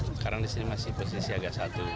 sekarang di sini masih posisi siaga satu